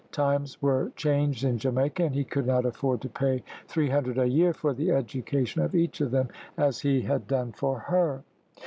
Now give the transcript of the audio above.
Times were changed in Jamaica, and he could not afford to pay three hundred a year for the education of each of them, as he had done for her.